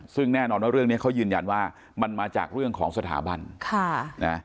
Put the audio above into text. ซึ่งแน่นอนว่าเรื่องนี้เขายืนยันว่ามันมาจากเรื่องของสถาบันค่ะนะ